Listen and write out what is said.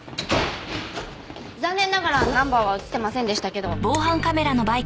残念ながらナンバーは映ってませんでしたけど。